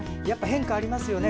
変化がありますよね